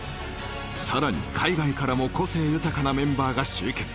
さらに海外からも個性豊かなメンバーが集結